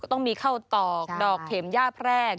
ต้องมีข้าวตอกดอกเข็มย่าแพรก